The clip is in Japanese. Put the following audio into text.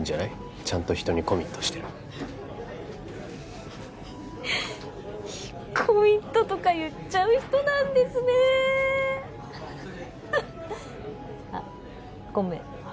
ちゃんと人にコミットしてるコミットとか言っちゃう人なんですねあっごめん